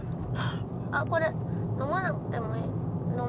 あっこれ飲まなくてもいい飲めるやつ。